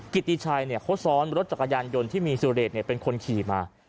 กิติชัยเขาซ้อนรถจักรยานยนต์ที่มีสุเดชเป็นคนขี่มา